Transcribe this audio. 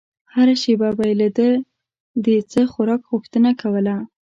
هره شېبه به يې له ده د څه خوراک غوښتنه کوله.